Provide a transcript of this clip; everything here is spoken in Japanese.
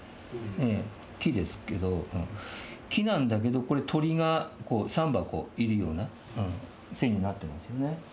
気ですけど、木なんだけど、これ、鳥が３羽いるような線になってますよね。